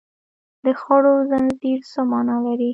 د خوړو زنځیر څه مانا لري